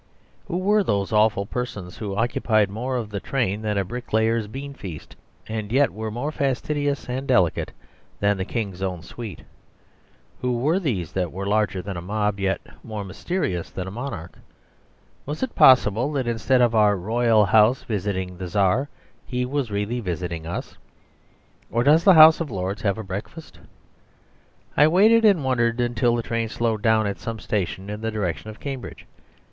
Who were those awful persons, who occupied more of the train than a bricklayer's beanfeast, and yet were more fastidious and delicate than the King's own suite? Who were these that were larger than a mob, yet more mysterious than a monarch? Was it possible that instead of our Royal House visiting the Tsar, he was really visiting us? Or does the House of Lords have a breakfast? I waited and wondered until the train slowed down at some station in the direction of Cambridge.